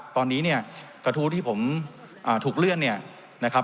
ตอนนี้เนี่ยกระทู้ที่ผมถูกเลื่อนเนี่ยนะครับ